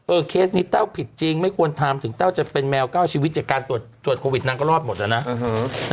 เออเคสนี้เต้าผิดจริงไม่ควรทำถึงเต้าจะเป็นแมวก้าวชีวิตจากการตรวจตรวจโควิดนั้นก็รอบหมดแล้วนะอือฮือ